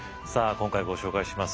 今回ご紹介します